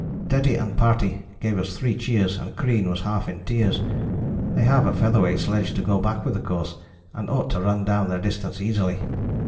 "Teddy and party gave us three cheers, and Crean was half in tears. They have a feather weight sledge to go back with of course, and ought to run down their distance easily.